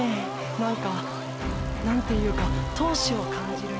なんか何ていうか闘志を感じるよ。